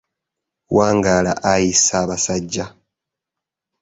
Wangala ayi Ssaabasajja.